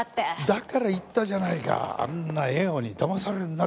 だから言ったじゃないかあんな笑顔に騙されるなって。